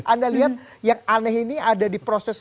anda lihat yang aneh ini ada di proses